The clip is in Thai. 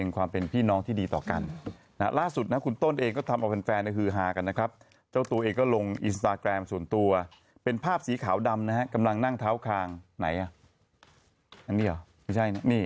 ข้างไหนอ่ะอันนี้หรอไม่ใช่น่ะนี่อันนี้อืม